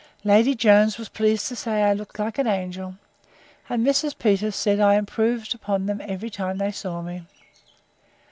Lady Jones was pleased to say I looked like an angel: And Mrs. Peters said, I improved upon them every time they saw me.